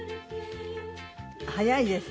早いですね随分。